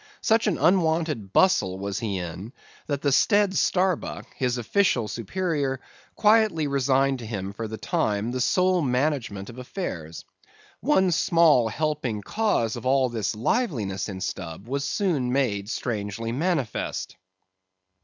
Such an unwonted bustle was he in that the staid Starbuck, his official superior, quietly resigned to him for the time the sole management of affairs. One small, helping cause of all this liveliness in Stubb, was soon made strangely manifest.